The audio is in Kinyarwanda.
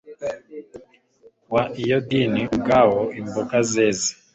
wa iyodine ubwawo, imboga zeze